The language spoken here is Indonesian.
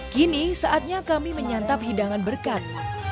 kini saatnya kami menyantap hidangan berkat